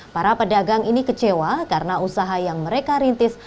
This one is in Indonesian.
para pedagang ini kecewa karena usaha yang mereka rintis